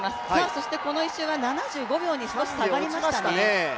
そしてこの１周は７５秒に少し下がりましたね。